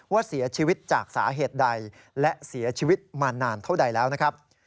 ว่าเสียชีวิตจากสาเหตุใดและเสียชีวิตมานานเท่าใดแล้วนะครับ